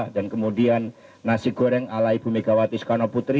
dan kemudian nasi goreng ala ibu megawati soekarno putri